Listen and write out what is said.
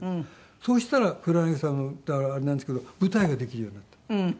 そしたら黒柳さんだからあれなんですけど舞台ができるようになったの。